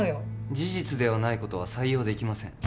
事実ではないことは採用できません